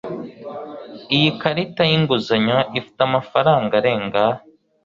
Iyi karita yinguzanyo ifite amafaranga arenga $